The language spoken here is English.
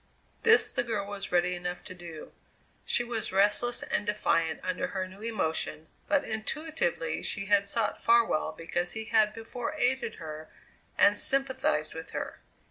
This the girl was ready enough to do. She was restless and defiant under her new emotion, but intuitively she had sought Farwell because he had before aided her and sympathized with her.